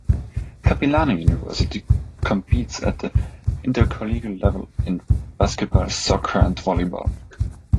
Capilano University competes at the intercollegiate level in basketball, soccer, and volleyball.